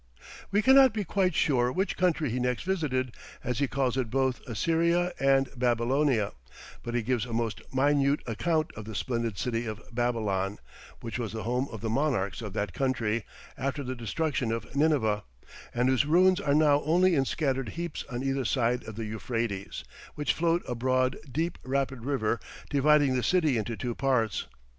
We cannot be quite sure which country he next visited, as he calls it both Assyria and Babylonia, but he gives a most minute account of the splendid city of Babylon (which was the home of the monarchs of that country, after the destruction of Nineveh), and whose ruins are now only in scattered heaps on either side of the Euphrates, which flowed a broad, deep, rapid river, dividing the city into two parts.